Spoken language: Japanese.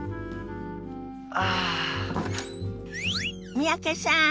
三宅さん